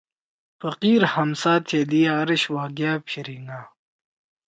پقیِر ہمسا تھیلی عرش وا گأ پھیِریِنگا